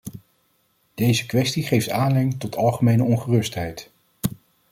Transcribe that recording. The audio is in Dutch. Deze kwestie geeft aanleiding tot algemene ongerustheid.